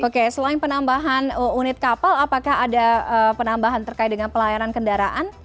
oke selain penambahan unit kapal apakah ada penambahan terkait dengan pelayanan kendaraan